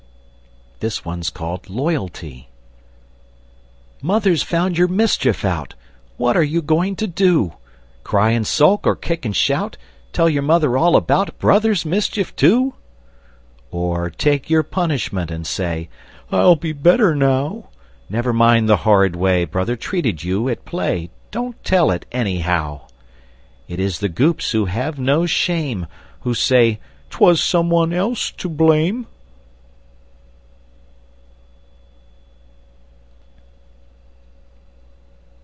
[Illustration: Loyalty] LOYALTY Mother's found your mischief out! What are you going to do? Cry and sulk, or kick and shout? Tell your mother all about Brother's mischief, too? Or, Take your punishment, and say, "I'll be better, now!" Never mind the horrid way Brother treated you, at play; Don't tell it, anyhow! It is the Goops, who have no shame, Who say, "_'Twas some one else to blame!